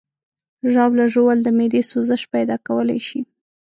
ژاوله ژوول د معدې سوزش پیدا کولی شي.